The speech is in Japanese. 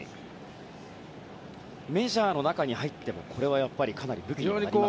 メジャーの中に入ってもかなり武器になりますか。